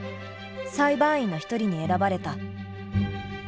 裁判員の一人に選ばれた。